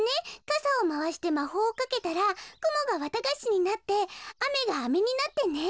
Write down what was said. かさをまわしてまほうをかけたらくもがわたがしになって雨が飴になってね。